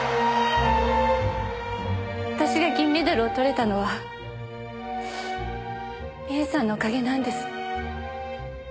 私が銀メダルを獲れたのは美枝さんのおかげなんです。